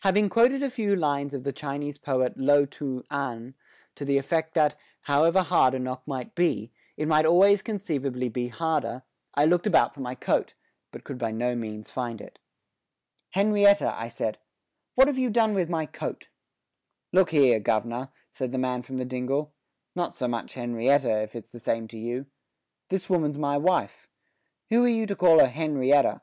Having quoted a few lines of the Chinese poet Lo tun an to the effect that, however hard a knock might be, it might always conceivably be harder, I looked about for my coat, but could by no means find it. "Henrietta," I said, "what have you done with my coat?" "Look here, gov'nor," said the man from the dingle, "not so much Henrietta, if it's the same to you. This woman's my wife. Who are you to call her Henrietta?"